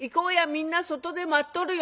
みんな外で待っとるよ」。